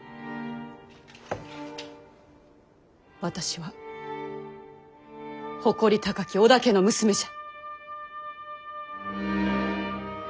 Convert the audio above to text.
私は誇り高き織田家の娘じゃ。